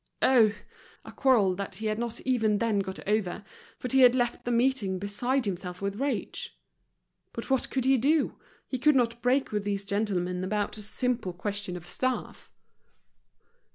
Oh! a quarrel that he had not even then got over, for he had left the meeting beside himself with rage. But what could he do? he could not break with these gentlemen about a simple question of staff.